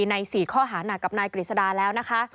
ใน๔ข้อหานักกับนายกฤษดาแล้วนะคะ